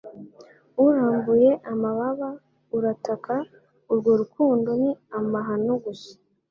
Urambuye amababa urataka urwo rukundo ni amahano gusa